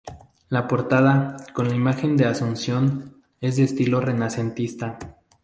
La portada, con la imagen de la Asunción, es de estilo renacentista.